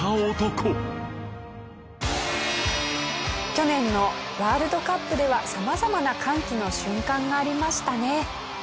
去年のワールドカップでは様々な歓喜の瞬間がありましたね。